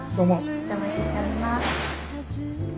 またお待ちしております。